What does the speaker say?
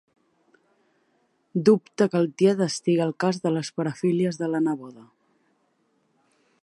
Dubta que el tiet estigui al cas de les parafílies de la neboda.